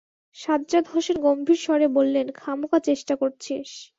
সাজ্জাদ হোসেন গম্ভীর স্বরে বললেন, খামোেকা চেষ্টা করছিস।